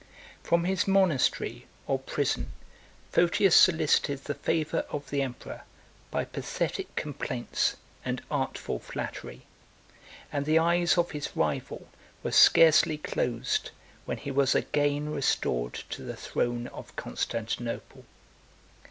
From his monastery, or prison, Photius solicited the favor of the emperor by pathetic complaints and artful flattery; and the eyes of his rival were scarcely closed, when he was again restored to the throne of Constantinople.